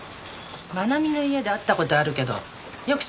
真奈美の家で会った事あるけどよく知らない。